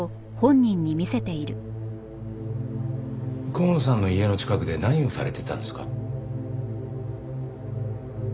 香野さんの家の近くで何をされていたんですか？